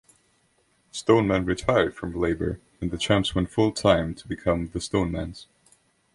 Stoneman retired from labor and the Champs went full-time to become the Stonemans.